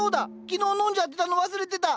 昨日飲んじゃってたの忘れてた。